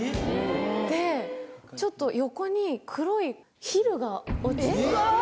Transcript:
でちょっと横に黒いヒルが落ちてて。